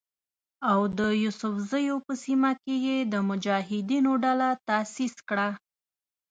او د یوسفزیو په سیمه کې یې د مجاهدینو ډله تاسیس کړه.